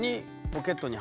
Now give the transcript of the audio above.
ポケットに？